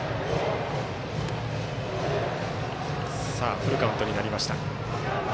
フルカウントになりました。